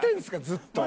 ずっと。